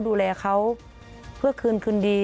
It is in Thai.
ดูแลเขาเพื่อคืนคืนดี